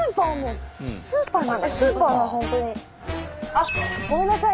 あっごめんなさい。